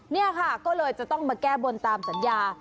นี่ค่ะก็เลยจะต้องมาแก้บนตามสัญญา